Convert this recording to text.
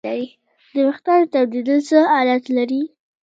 د وېښتانو تویدل څه علت لري